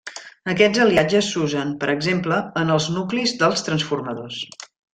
Aquests aliatges s'usen, per exemple, en els nuclis dels transformadors.